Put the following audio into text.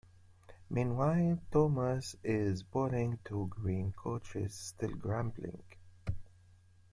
Meanwhile, Thomas is pulling two green coaches, still grumbling.